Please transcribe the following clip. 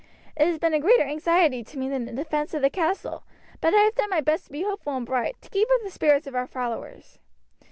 It has been a greater anxiety to me than the defence of the castle; but I have done my best to be hopeful and bright, to keep up the spirits of our followers."